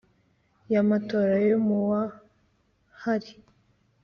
y amatora yo mu wa Hari